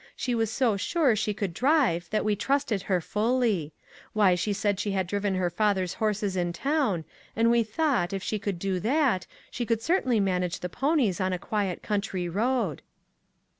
She was so sure she could drive, that we trusted her fully. Why, she said she had driven her father's horses in town, and we thought, if she could do that, she could certainly manage the ponies on a quiet country road."